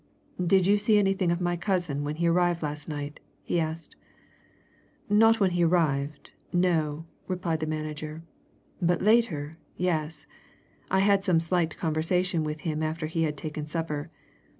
"Did you see anything of my cousin when he arrived last night?" he asked. "Not when he arrived no," replied the manager. "But later yes. I had some slight conversation with him after he had taken supper.